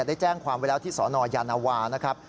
ได้แจ้งความไว้แล้วที่สนยานวานะครับ